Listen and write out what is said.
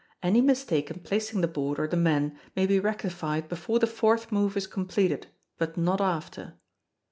Any mistake in placing the board or the men may be rectified before the fourth move is completed, but not after.